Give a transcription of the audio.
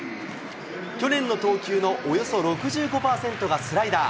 去年の投球のおよそ６５％がスライダー。